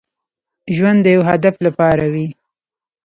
ژوند د يو هدف لپاره وي.